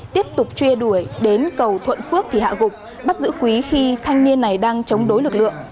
tiếp tục truy đuổi đến cầu thuận phước thì hạ gục bắt giữ quý khi thanh niên này đang chống đối lực lượng